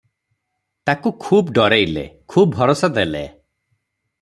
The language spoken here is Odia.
ତାକୁ ଖୁବ୍ ଡରେଇଲେ, ଖୁବ୍ ଭରସା ଦେଲେ ।